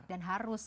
dan harus kan